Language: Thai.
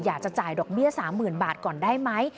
อยากจะจ่ายดอกเบี้ย๓๐๐๐บาทก่อนได้ไหม